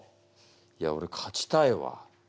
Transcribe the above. いやおれ勝ちたいわ。